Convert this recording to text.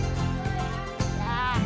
terima kasih pak